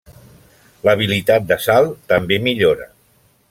L'habilitat de salt també millora.